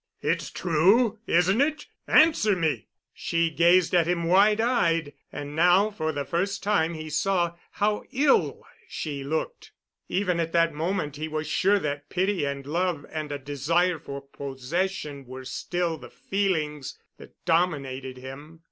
"It's true—isn't it? Answer me!" She gazed at him wide eyed, and now for the first time he saw how ill she looked. Even at that moment he was sure that pity and love and a desire for possession were still the feelings that dominated him.